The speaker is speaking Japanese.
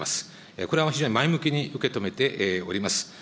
これは非常に前向きに受け止めております。